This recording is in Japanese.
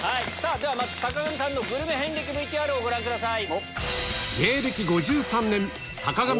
まず坂上さんのグルメ遍歴ＶＴＲご覧ください。